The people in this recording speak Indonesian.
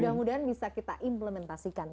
mudah mudahan bisa kita implementasikan